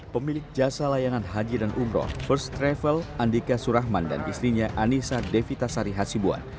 pemilik jasa layanan haji dan umroh first travel andika surahman dan istrinya anissa devita sari hasibuan